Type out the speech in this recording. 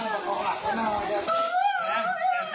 แซมแซม